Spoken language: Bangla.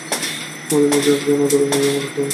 আমাদের মাঝে একজন আদরের জন্য মালিক পাবে।